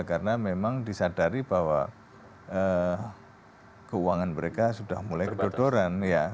karena memang disadari bahwa keuangan mereka sudah mulai kedodoran